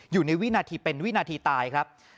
อยู่ในวินาทีเป็นวินาทีตายครับ